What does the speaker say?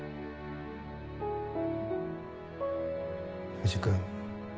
藤君。